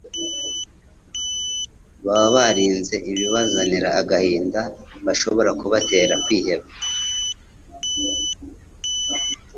baba baririnze ibibazanira agahinda gashobora kubatera kwiheba.